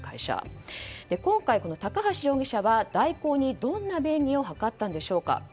今回、高橋容疑者は大広にどんな便宜を図ったんでしょうか。